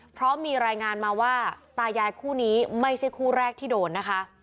เพราะมีรายงานมาว่าตายายคู่นี้ไม่ใช่คู่แรกที่โดนนะคะ